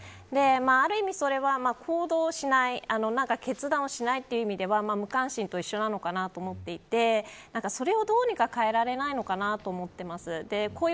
ある意味、それは行動しない決断をしないという意味では無関心と一緒なのかなと思っていてそれをどうにか変えられないのかなと思ってます。